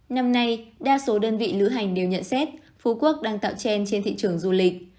năm nay đa số đơn vị lữ hành đều nhận xét phú quốc đang tạo chen trên thị trường du lịch